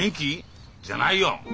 じゃないよ。